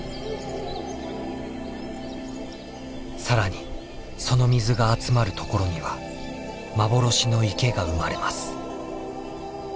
更にその水が集まる所には幻の池が生まれます。